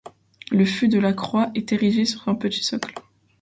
Le fût de la croix est érigé sur un petit socle.